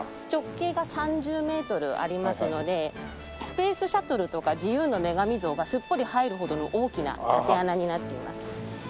直径が３０メートルありますのでスペースシャトルとか自由の女神像がすっぽり入るほどの大きな竪穴になっています。